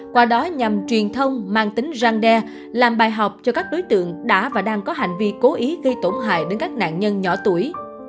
qua đó nhằm truyền thông mang tính răng đe làm bài học cho các đối tượng đã và đang có hành vi cố ý gây tổn hại đến các nạn nhân nhỏ tuổi